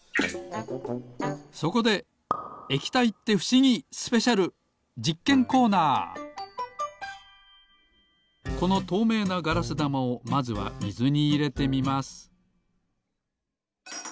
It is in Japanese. そこでこのとうめいなガラスだまをまずはみずにいれてみます。